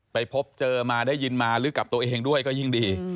พบเจอมาได้ยินมาลึกกับตัวเองด้วยก็ยิ่งดี